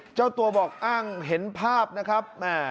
เจ้าตัวบอกอ้างเห็นภาพนะครับ